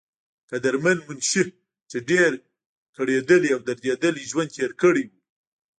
قدرمند منشي، چې ډېر کړېدلے او درديدلے ژوند تير کړے وو